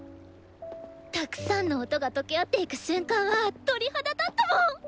たくさんの音が溶け合っていく瞬間は鳥肌立ったもん！